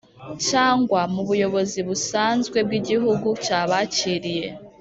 cyangwa mu buyobozi busanzwe bw'igihugu cyabakiriye.